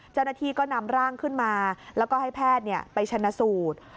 เจ้าหน้าที่ก็นำร่างขึ้นมาแล้วก็ให้แพทย์ไปชนะสูตร